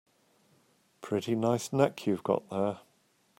Pretty nice neck you've got there.